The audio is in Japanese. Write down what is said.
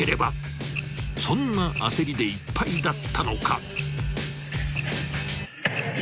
［そんな焦りでいっぱいだったのか］